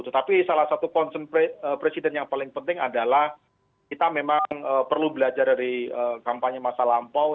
tetapi salah satu concern presiden yang paling penting adalah kita memang perlu belajar dari kampanye masa lampau